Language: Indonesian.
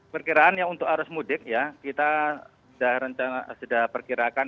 perkiraan untuk arus mudik ya kita sudah perkirakan